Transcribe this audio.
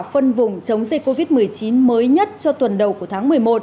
phân vùng chống dịch covid một mươi chín mới nhất cho tuần đầu của tháng một mươi một